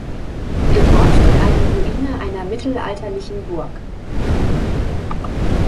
Im Ort steht eine Ruine einer mittelalterlichen Burg.